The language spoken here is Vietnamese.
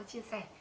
nó chia sẻ